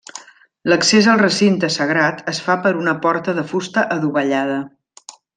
L'accés al recinte sagrat es fa per una porta de fusta adovellada.